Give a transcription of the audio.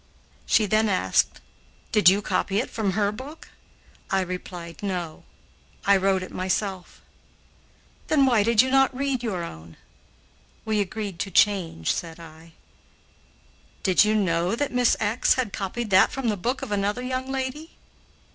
She then asked, "Did you copy it from her book?" I replied, "No; I wrote it myself." "Then why did you not read your own?" "We agreed to change," said I. "Did you know that Miss had copied that from the book of another young lady?"